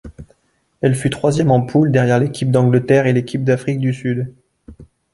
Elle fut troisième en poule derrière l'équipe d'Angleterre et l'équipe d'Afrique du Sud.